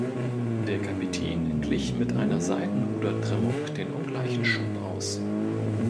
Der Kapitän glich mit einer Seitenruder-Trimmung den ungleichen Schub aus.